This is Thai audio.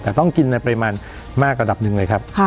แต่ต้องกินในปริมาณมากระดับหนึ่งเลยครับ